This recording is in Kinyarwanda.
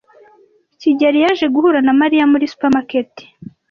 kigeli yaje guhura na Mariya muri supermarket.